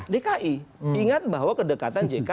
dki ingat bahwa kedekatan jk